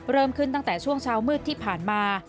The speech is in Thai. เริ่มขึ้นตั้งแต่ช่วงเช้ามืดที่ผ่านมา